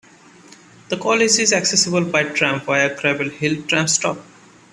The college is accessible by tram via Gravel Hill tram stop.